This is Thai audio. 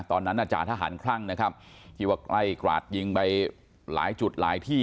ตอนนั้นอาจารย์ทหารคลั่งนะครับที่ว่าใกล้กราดยิงไปหลายจุดหลายที่